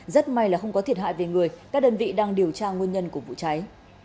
rất may là không có thiệt hại về người các đơn vị đang điều tra nguyên nhân của vụ cháy